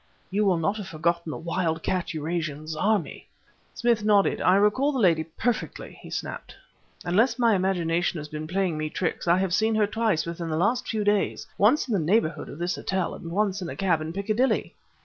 You will not have forgotten the wild cat Eurasian Zarmi?" Smith nodded. "I recall the lady perfectly!" he snapped. "Unless my imagination has been playing me tricks, I have seen her twice within the last few days once in the neighborhood of this hotel and once in a cab in Piccadilly."